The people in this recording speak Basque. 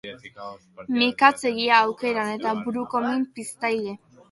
Mikatzegia, aukeran, eta buruko min piztaile.